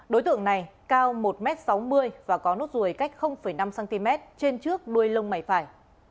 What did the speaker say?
đối tượng này cao một m sáu mươi và có nốt ruồi cách năm cm trên trước đuôi lông mày phải